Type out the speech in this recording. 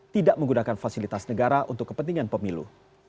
tidak menggunakan fasilitas negara untuk kepentingan pemilu